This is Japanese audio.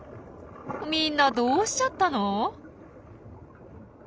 みんなどうしちゃったの？